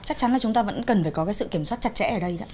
chắc chắn là chúng ta vẫn cần phải có cái sự kiểm soát chặt chẽ ở đây